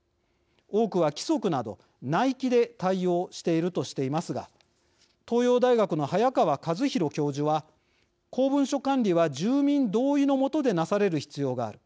多くは規則など内規で対応しているとしていますが東洋大学の早川和宏教授は「公文書管理は住民同意の下でなされる必要がある。